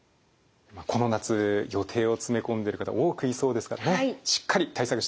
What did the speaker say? この夏予定を詰め込んでる方多くいそうですからねしっかり対策していきましょう。